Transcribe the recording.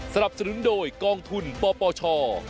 สนับสนุนโดยกองทุนปปช